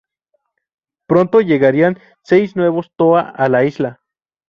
Pronto llegarían seis nuevos Toa a la isla...